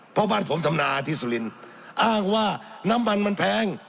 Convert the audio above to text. เพราะบ้านผมทำนาที่สุรินทร์อ้างว่าน้ำมันมันแพง